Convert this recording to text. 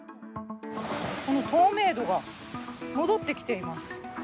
透明度が戻ってきています。